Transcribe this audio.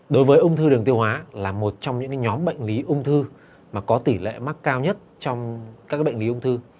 đối với ung thư đường tiêu hóa là một trong những nhóm bệnh lý ung thư có tỷ lệ mắc cao nhất trong các bệnh lý ung thư